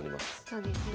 そうですね。